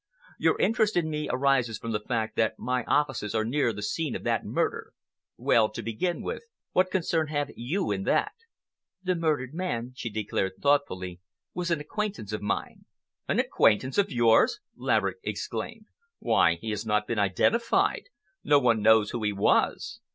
Your interest in me arises from the fact that my offices are near the scene of that murder. Well, to begin with, what concern have you in that?" "The murdered man," she declared thoughtfully, "was an acquaintance of mine." "An acquaintance of yours!" Laverick exclaimed. "Why, he has not been identified. No one knows who he was."